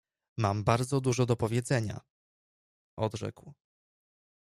— Mam bardzo dużo do powiedzenia! — odrzekł.